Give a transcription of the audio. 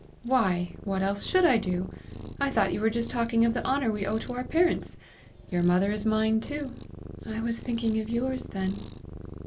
"Why, what else should I do? I thought you were just talking of the honor we owe to our parents! Your mother is mine too." "I was thinking of yours then."